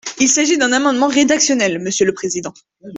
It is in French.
Il s’agit d’un amendement rédactionnel, monsieur le président.